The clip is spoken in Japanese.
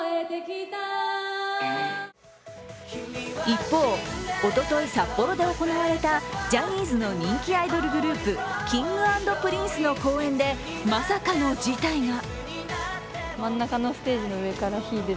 一方、おととい札幌で行われたジャニーズの人気アイドルグループＫｉｎｇ＆Ｐｒｉｎｃｅの公演でまさかの事態が。